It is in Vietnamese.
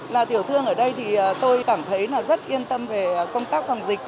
là tiểu thương ở đây thì tôi cảm thấy là rất yên tâm về công tác phòng dịch